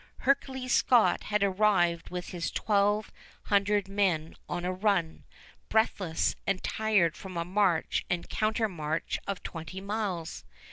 Hercules Scott had arrived with his twelve hundred men on a run, breathless and tired from a march and countermarch of twenty miles.